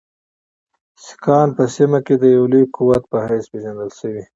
سیکهان په سیمه کې د یوه لوی قوت په حیث پېژندل شوي.